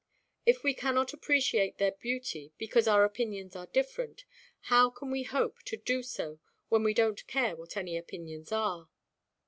If we cannot appreciate their beauty, because our opinions are different, how can we hope to do so when we donʼt care what any opinions are?